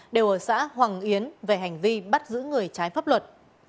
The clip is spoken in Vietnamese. đều ở xã hoàng yến về hành vi bắt giữ người trái pháp luật